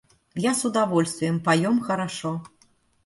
Я с удовольствием поем хорошо.